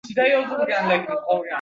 Yoniq chehrasiga boqib, hayratga tushdi.